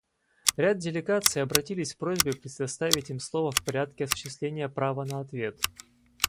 Ряд делегаций обратились с просьбой предоставить им слово в порядке осуществления права на ответ.